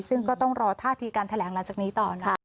ซึ่งก็ต้องรอท่าทีการแถลงหลังจากนี้ต่อนะคะ